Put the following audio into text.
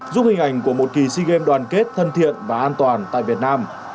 giúp hình ảnh của một kỳ sea games đoàn kết thân thiện và an toàn tại việt nam